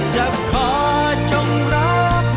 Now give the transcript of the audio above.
จะขอจงรัก